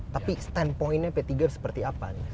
tapi standpointnya p tiga seperti apa